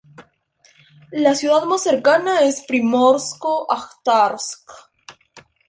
La ciudad más cercana es Primorsko-Ajtarsk.